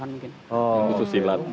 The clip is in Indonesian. yang khusus silat